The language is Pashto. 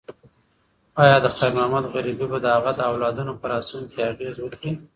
ایا د خیر محمد غریبي به د هغه د اولادونو په راتلونکي اغیز وکړي؟